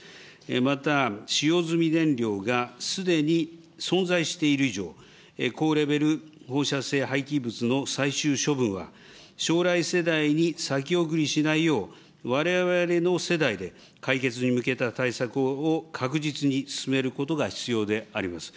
また、使用済み燃料がすでに存在している以上、高レベル放射性廃棄物の最終処分は将来世代に先送りしないよう、われわれの世代で、解決に向けた対策を確実に進めることが必要であります。